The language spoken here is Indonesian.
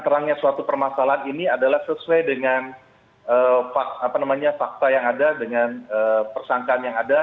terangnya suatu permasalahan ini adalah sesuai dengan fakta yang ada dengan persangkaan yang ada